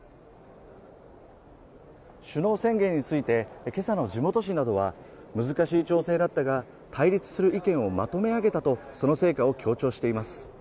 首脳宣言について今朝の地元紙などは難しい調整だったが対立する意見をまとめ上げたとその成果を強調しています。